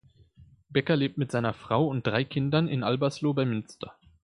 Becker lebt mit seiner Frau und drei Kindern in Albersloh bei Münster.